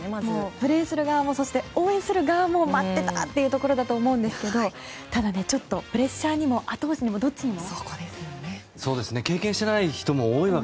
プレーする側も応援する側も待ってた！というところだと思うんですけどただ、プレッシャーにも後押しにもどちらにも。